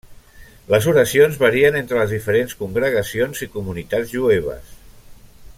Les oracions varien entre les diferents congregacions i comunitats jueves.